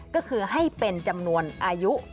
ก็คือให้เป็นจำนวนอายุ